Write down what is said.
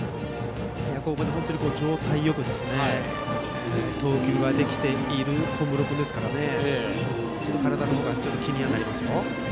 本当に状態よく投球ができている小室君ですからちょっと体の方が気になりますね。